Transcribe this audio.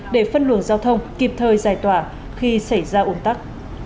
để phân luồng giao thông kịp thời giải tỏa khi xảy ra ủn tắc